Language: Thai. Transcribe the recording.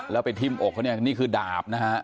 แล้วไปทิ่มอกหนิคือดาบนะครับ